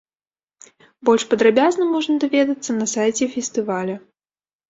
Больш падрабязна можна даведацца на сайце фестываля.